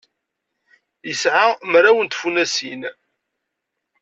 Yesɛa mraw n tfunasin.